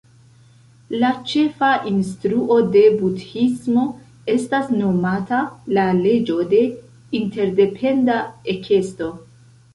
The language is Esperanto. La ĉefa instruo de budhismo estas nomata "la leĝo de interdependa ekesto".